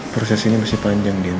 proses ini masih panjang dia